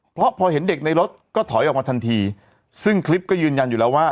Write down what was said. เพราะพอเห็นเด็กในรถก็ถอยออกมาทันทีซึ่งคลิปก็ยืนยันอยู่แล้วว่า